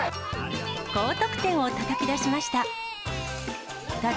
高得点をたたき出しました。